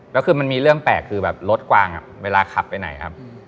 แล้วคือมันมีเรื่องแปลกคือแบบรถกวางเวลาขับไปไหนครับ